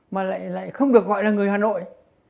mà lại không được gọi là người hà nội